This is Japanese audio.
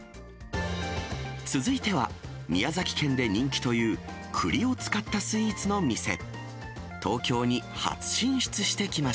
続いては、宮崎県で人気という、くりを使ったスイーツの店。